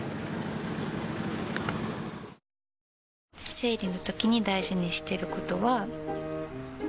生理のときに大事にしてることは。